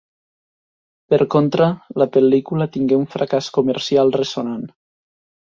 Per contra, la pel·lícula tingué un fracàs comercial ressonant.